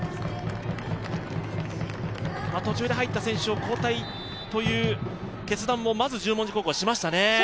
途中で入った選手を交代という決断をまず十文字高校はしましたね。